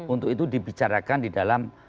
untuk itu dibicarakan di dalam